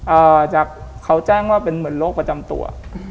เออจากเขาแจ้งว่าเป็นเหมือนโลกประจำตัว